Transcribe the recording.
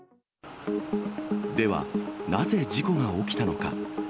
では、なぜ事故が起きたのか。